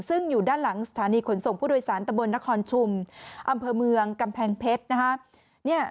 ซึ่งอยู่ด้านหลังสถานีขนส่งผู้โดยสารตะบลนครชุมอำเภอเมืองกำแพงเพชรนะฮะ